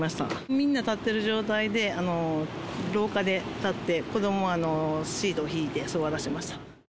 みんな立ってる状態で、廊下で立って、子どもはシートを敷いて座らせました。